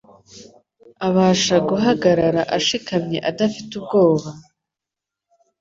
Abasha guhagarara ashikamye adafite ubwoba,